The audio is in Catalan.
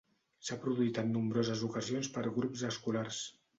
S'ha produït en nombroses ocasions per grups escolars.